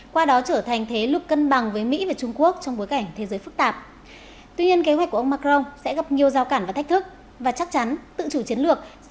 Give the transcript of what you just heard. và thành viên liên minh châu âu